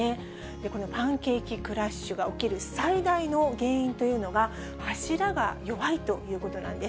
このパンケーキクラッシュが起きる最大の原因というのが、柱が弱いということなんです。